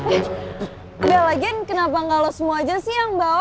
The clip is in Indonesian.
yaudah lagi kenapa gak lu semua aja sih yang bawa